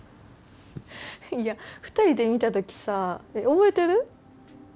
いや２人で見た時さ覚えてる？